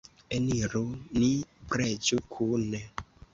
Eniru, ni preĝu kune!